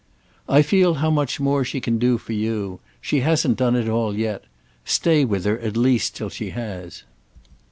"I feel how much more she can do for you. She hasn't done it all yet. Stay with her at least till she has."